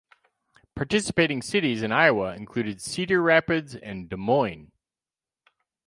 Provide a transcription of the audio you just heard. Participating cities in Iowa included Cedar Rapids and Des Moines.